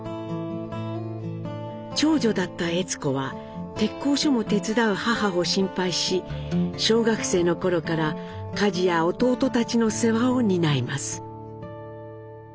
長女だった悦子は鉄工所も手伝う母を心配し小学生の頃から家事や弟たちの世話を担います。